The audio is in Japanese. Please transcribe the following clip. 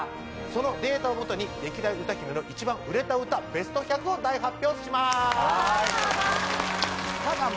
そのデータをもとに歴代歌姫の一番売れた歌Ｂｅｓｔ１００を大発表します